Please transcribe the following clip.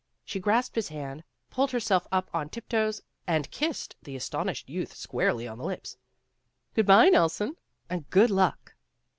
She grasped his hand, pulled herself up on tiptoes, and kissed the astonished youth squarely on the lips. "Good by, Nelson, and good luck.